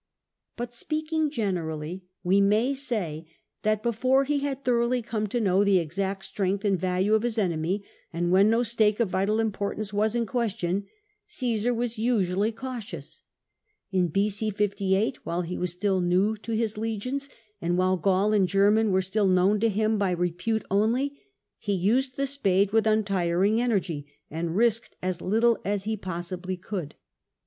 ' But, speaking generally, we may say that before he had thoroughly come to know the exact strength and value of his enemy, and when no stake of vital importance was in question, 0£esar was usually cautious. In B.c. 58, while he was still new to his legions, and while Gaul and German were still known to him by repute only, he used the spade with untiring energy, and risked as little as he possibly could.